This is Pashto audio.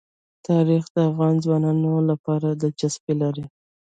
تاریخ د افغان ځوانانو لپاره دلچسپي لري.